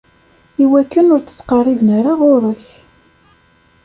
Iwakken ur d-ttqerriben ara ɣur-k.